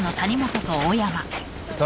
誰？